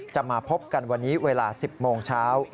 จะมาพบกันวันนี้เวลา๑๐โมงเช้า